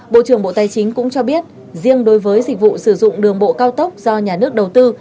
bộ trưởng bộ tài chính cũng cho biết riêng đối với dịch vụ sử dụng đường bộ cao tốc do nhà nước đầu tư